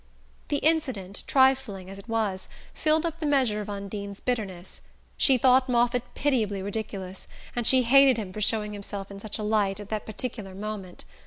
The incident, trifling as it was, filled up the measure of Undine's bitterness. She thought Moffatt pitiably ridiculous, and she hated him for showing himself in such a light at that particular moment.